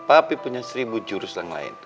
tapi punya seribu jurus yang lain